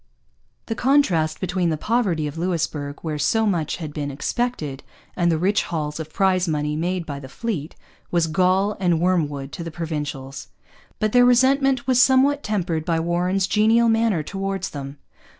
The contrast between the poverty of Louisbourg, where so much had been expected, and the rich hauls of prize money made by the fleet, was gall and wormwood to the Provincials. But their resentment was somewhat tempered by Warren's genial manner towards them.